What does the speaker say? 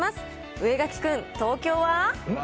上垣君、東京は？